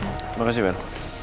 terima kasih pak